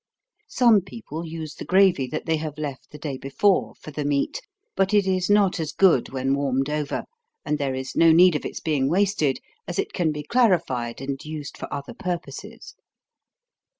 Some people use the gravy that they have left the day before, for the meat, but it is not as good when warmed over, and there is no need of its being wasted, as it can be clarified, and used for other purposes.